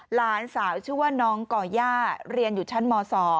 หลานสาวชื่อว่าน้องก่อย่าเรียนอยู่ชั้นม๒